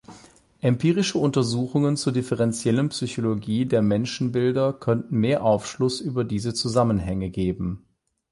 Empirische Untersuchungen zur differentiellen Psychologie der Menschenbilder könnten mehr Aufschluss über diese Zusammenhänge geben.